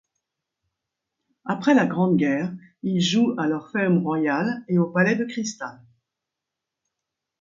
Après la Grande Guerre, il joue à l’Orfeum Royal et au palais de Crystal.